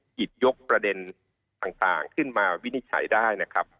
หยิบยกประเด็นต่างขึ้นมาวินิจฉัยได้นะครับ